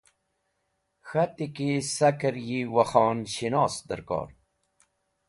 k̃hati ki saker yi Wakhon shinos dẽrkor.